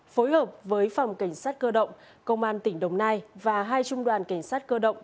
phối hợp với phòng cảnh sát cơ động công an tỉnh đồng nai và hai trung đoàn cảnh sát cơ động